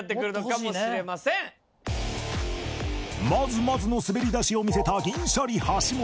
まずまずの滑り出しを見せた銀シャリ橋本。